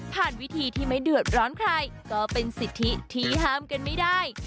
วิธีที่ไม่เดือดร้อนใครก็เป็นสิทธิที่ห้ามกันไม่ได้